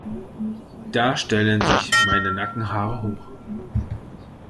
Da stellen sich meine Nackenhaare hoch.